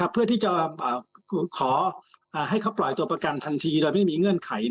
เพื่อที่จะขอให้เขาปล่อยตัวประกันทันทีโดยไม่มีเงื่อนไข